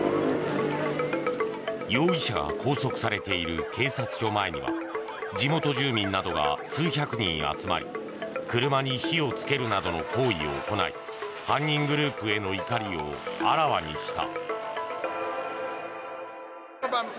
容疑者が拘束されている警察署前には地元住民などが数百人集まり車に火を付けるなどの行為を行い犯人グループへの怒りをあらわにした。